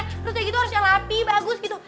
terus kayak gitu harus elapi bagus gitu